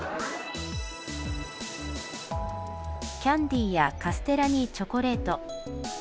キャンディーやカステラにチョコレート。